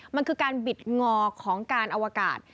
มันคือการบิดงอของการอวกาศ